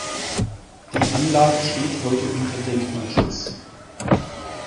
Die Anlage steht heute unter Denkmalschutz.